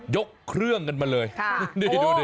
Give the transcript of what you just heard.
ยกเครื่องกันมาเลยนี่ดูดิ